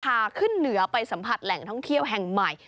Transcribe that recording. พาขึ้นเหนือไปสัมผัสแหล่งท่องเที่ยวแห่งใหม่